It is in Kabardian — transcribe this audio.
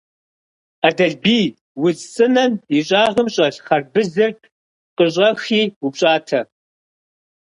Ӏэдэлбий, удз цӀынэм и щӀагъым щӀэлъ хъарбызыр къыщӀэхи упщӀатэ.